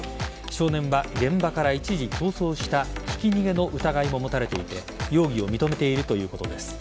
少年は現場から一時逃走したひき逃げの疑いも持たれていて容疑を認めているということです。